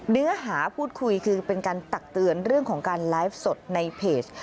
เนื้อหาพูดคุยคือเป็นการตักเตือนเรื่องของการไลฟ์สดในเพจ